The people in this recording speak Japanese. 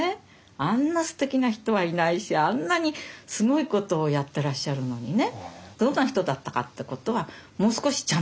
あんなすてきな人はいないしあんなにすごいことをやってらっしゃるのにね。